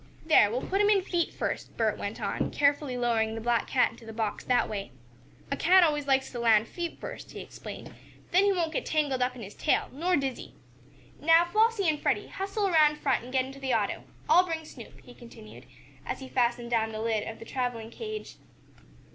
"There, we'll put him in feet first," Bert went on, carefully lowering the black cat into the box that way. "A cat always likes to land feet first," he explained, "then he won't get tangled up in his tail, nor dizzy. Now, Flossie and Freddie, hustle around front and get into the auto. I'll bring Snoop" he continued, as he fastened down the lid of the traveling cage.